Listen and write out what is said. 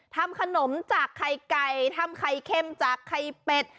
ทำขนมจากไข่ไก่ทำไข่เค็มจากไข่เป็ด